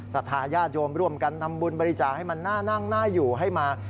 ทายาทโยมร่วมกันทำบุญบริจาคให้มันน่านั่งน่าอยู่ให้มา